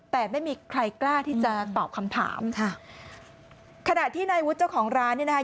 แต่ไม่มีใครกล้าที่จะตอบคำถามค่ะขณะที่นายวุฒิเจ้าของร้านเนี่ยนะคะ